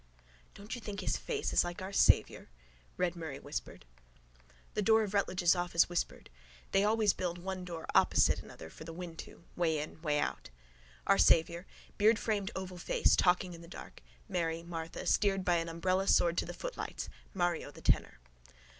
—Don't you think his face is like Our Saviour? Red Murray whispered. The door of Ruttledge's office whispered: ee: cree. They always build one door opposite another for the wind to. Way in. Way out. Our Saviour: beardframed oval face: talking in the dusk. Mary, Martha. Steered by an umbrella sword to the footlights: Mario the tenor.